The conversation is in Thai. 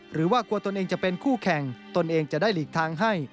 หรือว่ากลัวตนเองจะเป็นคู่แข่งตนเองจะได้หลีกทางให้